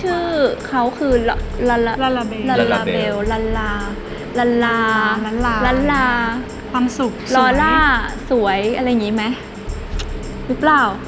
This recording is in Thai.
ชื่อเขาคือลาลาเบลลาลาลาลาลาลาลาลาลาลาสวยอะไรอย่างงี้ไหมรู้เปล่า